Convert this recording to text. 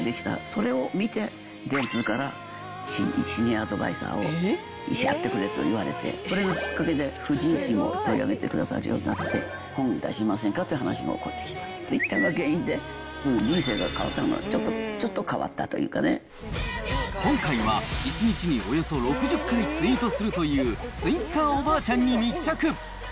それを見て、電通から、シニアアドバイザーをやってくれと言われて、それがきっかけで婦人誌も取り上げてくれるようになって、本出しませんか？っていう話も起こってきて、ツイッターが原因でもう人生が変わったというか、ちょっと変わっ今回は、１日におよそ６０回ツイートするという、ツイッターおばあちゃんに密着。